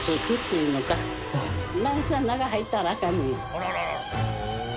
あららら。